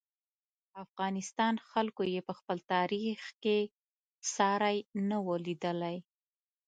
افغانستان خلکو یې په خپل تاریخ کې ساری نه و لیدلی.